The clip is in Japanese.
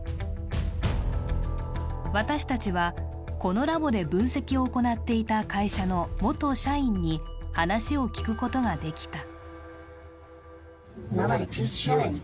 私たちは、このラボで分析を行っていた会社の元社員に話を聞くことができた。